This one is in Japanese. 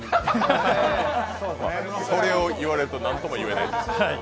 それを言われるとなんともいえないです。